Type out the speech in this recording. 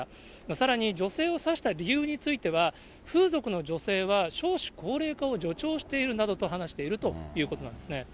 さらに女性を刺した理由については、風俗の女性は少子高齢化を助長しているなどと話しているということなんですね。